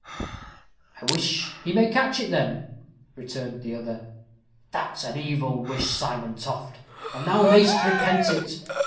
"I wish he may catch it, then," returned the other. "That's an evil wish, Simon Toft, and thou mayst repent it."